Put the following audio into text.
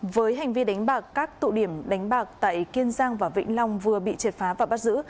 với hành vi đánh bạc các tụ điểm đánh bạc tại kiên giang và vĩnh long vừa bị triệt phá và bắt giữ